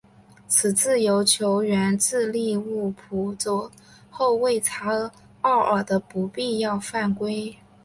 此自由球源自利物浦左后卫查奥尔的不必要犯规。